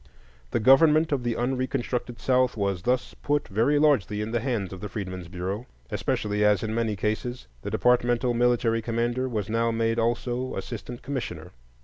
The government of the unreconstructed South was thus put very largely in the hands of the Freedmen's Bureau, especially as in many cases the departmental military commander was now made also assistant commissioner.